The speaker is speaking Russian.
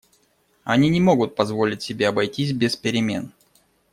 Они не могут позволить себе обойтись без перемен.